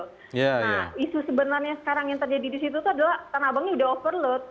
nah isu sebenarnya sekarang yang terjadi di situ adalah tanah abang ini sudah overload